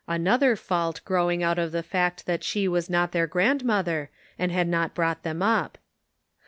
Another fault growing out of the fact that she was not their grandmother, and had not brought them up.